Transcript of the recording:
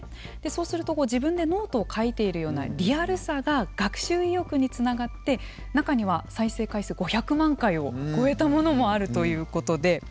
そうすると自分でノートを書いているようなリアルさが学習意欲につながって中には再生回数５００万回を超えたものもあるということで。